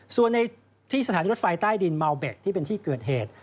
ส่วนในที่สถานีรถไฟใต้ดินเมาเบ็ดที่เป็นที่เกิดเหตุ